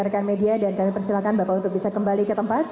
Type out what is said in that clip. kami silakan untuk bisa kembali